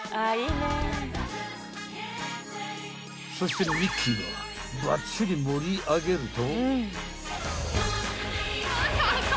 ［そしてミッキーがばっちり盛り上げると］